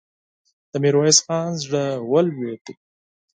د ميرويس خان زړه ولوېد.